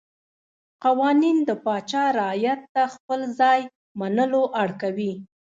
قوانین د پاچا رعیت ته خپل ځای منلو اړ کوي.